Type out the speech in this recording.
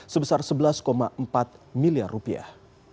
sebesar sebelas empat miliar rupiah